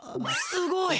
すごい！